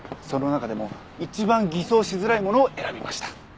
その中でも一番偽装しづらいものを選びました。